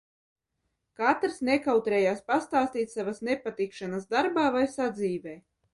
Katrs nekautrējās pastāstīt savas nepatikšanas darbā vai sadzīvē.